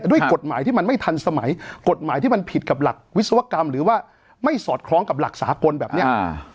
ด้วยกฎหมายที่มันไม่ทันสมัยกฎหมายที่มันผิดกับหลักวิศวกรรมหรือว่าไม่สอดคล้องกับหลักสากลแบบเนี้ยอ่า